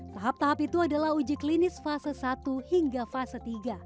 tahap tahap itu adalah uji klinis fase satu hingga fase tiga